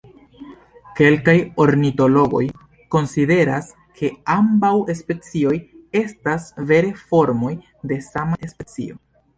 Kelkaj ornitologoj konsideras, ke ambaŭ specioj estas vere formoj de sama specio.